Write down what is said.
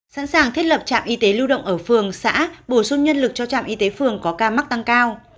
sẵn sàng thiết lập trạm y tế lưu động ở phường xã bổ sung nhân lực cho trạm y tế phường có ca mắc tăng cao